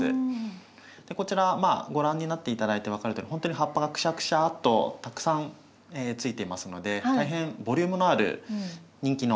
こちらご覧になって頂いて分かるとおりほんとに葉っぱがくしゃくしゃとたくさんついていますので大変ボリュームのある人気のシダになりますね。